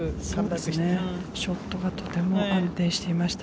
ショットがとても安定していました。